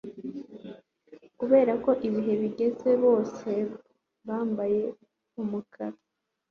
Kuberako ibihe bigeze bose bambaye umukara